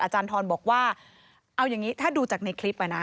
อาจารย์ทรบอกว่าเอาอย่างนี้ถ้าดูจากในคลิป